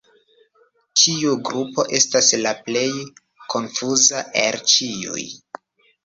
Tiu grupo estas la plej konfuza el ĉiuj.